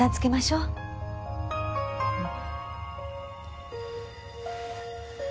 うん。